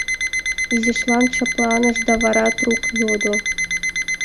Изишлан шыпланыш да вара трук йодо: